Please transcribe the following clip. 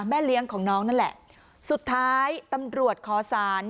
แม่เลี้ยงของน้องนั่นแหละสุดท้ายตำรวจขอสาร